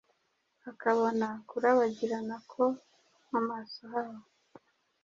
akabona kurabagirana ko mu maso habo